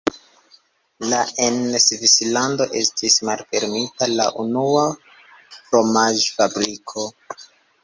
La en Svislando estis malfermita la unua fromaĝ-fabriko.